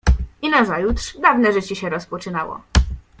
"I nazajutrz dawne życie się rozpoczynało."